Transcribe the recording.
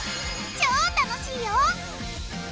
超楽しいよ！